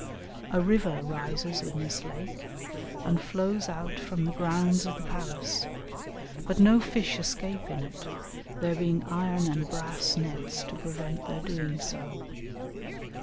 A river rises in this lake and flows out from the grounds of the palace, but no fish escape in it, there being iron and brass nets to prevent their doing so.